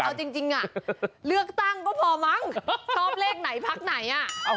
เอาจริงเลือกตั้งก็พอมั้งชอบเลขไหนพักไหนอ่ะ